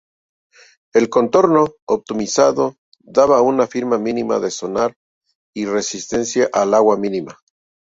El contorno optimizado daba una firma mínima de sonar y resistencia al agua mínima.